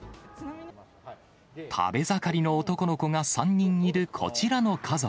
食べ盛りの男の子が３人いるこちらの家族。